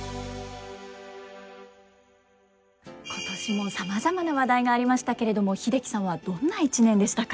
今年もさまざまな話題がありましたけれども英樹さんはどんな一年でしたか？